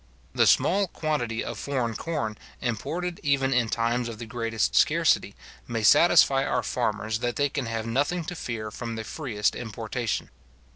The small quantity of foreign corn imported even in times of the greatest scarcity, may satisfy our farmers that they can have nothing to fear from the freest importation.